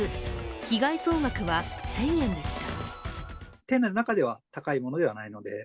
被害総額は１０００円でした。